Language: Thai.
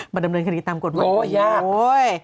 บัดดำเนินคณีตตามกฎหมาย